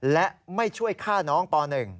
และไม่ช่วยฆ่าน้องป๑